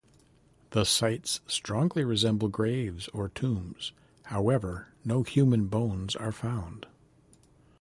The sites strongly resemble graves or tombs; however, no human bones are found.